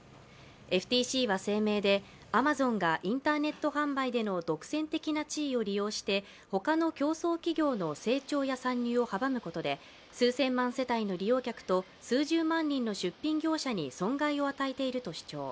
ＦＴＣは声明で、アマゾンがインターネット販売での独占的な地位を利用して他の競争企業の成長や参入を阻むことで数千万世帯の利用客と数十万人の出品業者に損害を与えていると主張。